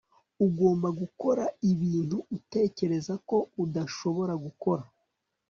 ugomba gukora ibintu utekereza ko udashobora gukora